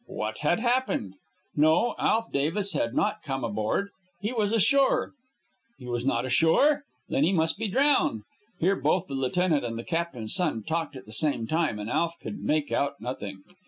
What had happened? No; Alf Davis had not come aboard. He was ashore. He was not ashore? Then he must be drowned. Here both the lieutenant and the captain's son talked at the same time, and Alf could make out nothing.